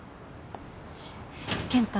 健太。